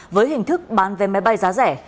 với hình thức bán về máy bay giá rẻ